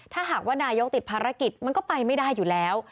ถ้าหากว่านายกติดภารกิจมันก็ไปไม่ได้อยู่แล้ว